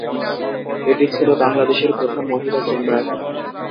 এটি ছিল বাংলাদেশের প্রথম মহিলা চেম্বার।